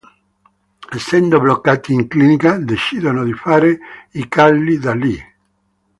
Essendo bloccati in clinica, decidono di fare iCarly da lì.